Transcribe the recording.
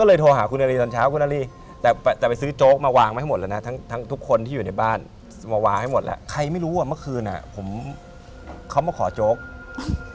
รอยนี้จะเป็นรอยและตรงนี้หมดเลย